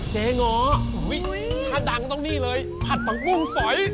เชงอต้องนี่เลยผัดตาปรูงสอย